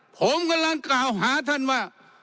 ผมกำลังกล่าวหาท่านว่า